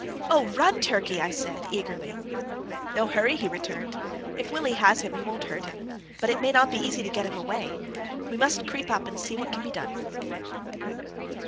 "Oh, run, Turkey!" I said, eagerly. "No hurry," he returned. "If Willie has him, he won't hurt him, but it mayn't be easy to get him away. We must creep up and see what can be done."